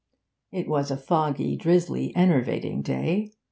It was a foggy, drizzly, enervating day.